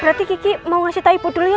berarti kiki mau ngasih taipu dulu ya